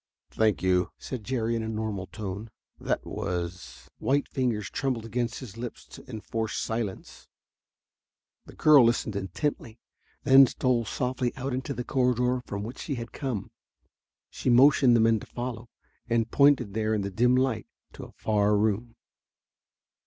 "Thank you," said Jerry in a normal tone, "that was " White fingers trembled against his lips to enforce silence. The girl listened intently, then stole softly out into the corridor from which she had come. She motioned the men to follow, and pointed there in the dim light to a far room.